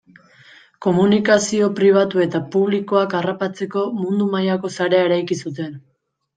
Komunikazio pribatu eta publikoak harrapatzeko mundu mailako sarea eraiki zuten.